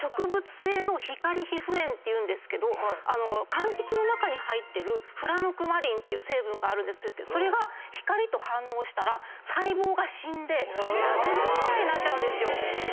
柑橘の中に入ってるフラノクマリンっていう成分があるんですけどそれが光と反応したら細胞が死んで火傷みたいになっちゃうんですよ。